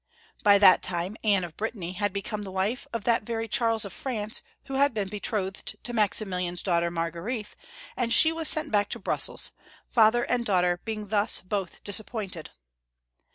By that time Anne of Brittany had become the wife of that very Charles of France who had been betrothed to Maximilian's daughter Margarethe, and she was sent back to Brussels, father and daughter being thus both disappointed.